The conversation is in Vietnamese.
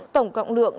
tổng cộng lượng